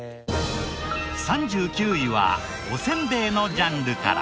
３９位はおせんべいのジャンルから。